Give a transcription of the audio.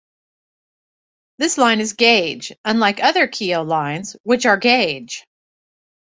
This line is gauge, unlike other Keio lines which are gauge.